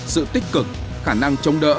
sự tích cực khả năng chống đỡ